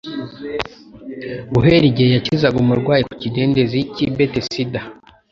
Guhera igihe yakizaga umurwayi ku kidendezi cy'i Betesida,